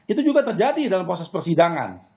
itu juga terjadi dalam proses persidangan